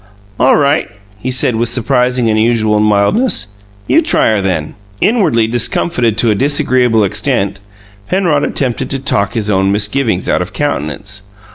"All right," he said, with surprising and unusual mildness. "You try her, then." Inwardly discomfited to a disagreeable extent, Penrod attempted to talk his own misgivings out of countenance.